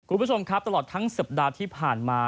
คุณผู้ชมครับตลอดทั้งสัปดาห์ที่ผ่านมา